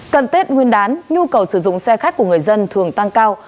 cận tết nguyên đán nhu cầu sử dụng xe khách của người dân thường tăng cao